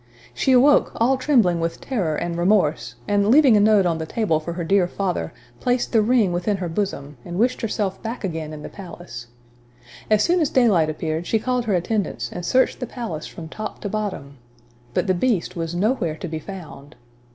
She awoke, all trembling with terror and remorse, and, leaving a note on the table for her dear father; placed the ring within her bosom, and wished herself back again in the palace. As soon as daylight appeared, she called her attendants, and searched the palace from top to bottom. But the Beast was nowhere to be found!